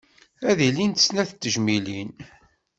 Ad d-ilint snat n tejmilin.